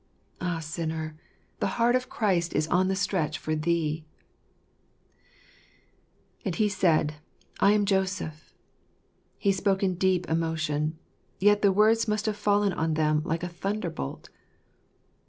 Ah, sinner, the heart of Christ is on the stretch for thee ! And he said, " I am Joseph ." He spoke in deep emotion ; yet the words must have fallen on them like a thunderbolt.